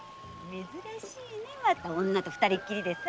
珍しいね女と二人っきりでさ。